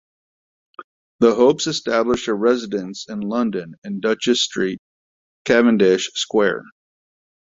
The Hopes established a residence in London in Duchess Street, Cavendish Square.